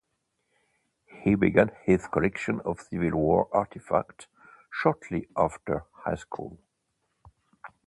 He began his collection of civil war artifacts shortly after high school.